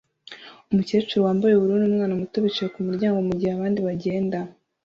Umukecuru wambaye ubururu n'umwana muto bicaye kumuryango mugihe abandi bagenda